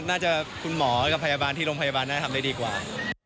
น่าจะคุณหมอกับพยาบาลที่โรงพยาบาลน่าทำได้ดีกว่า